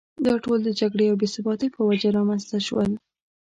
دا ټول د جګړې او بې ثباتۍ په وجه رامېنځته شول.